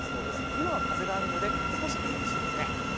今は風があるので少し涼しいですね。